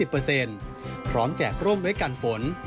พร้อมแจกร่วมไว้กันฝน